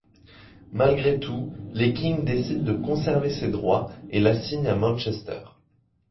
Malgré tous les Kings décident de conserver ses droits et l'assignent à Manchester.